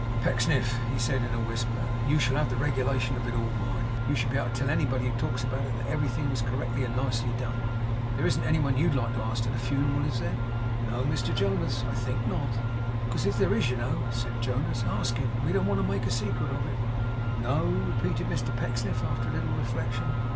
'Pecksniff,' he said, in a whisper, 'you shall have the regulation of it all, mind! You shall be able to tell anybody who talks about it that everything was correctly and nicely done. There isn't any one you'd like to ask to the funeral, is there?' 'No, Mr Jonas, I think not.' 'Because if there is, you know,' said Jonas, 'ask him. We don't want to make a secret of it.' 'No,' repeated Mr Pecksniff, after a little reflection.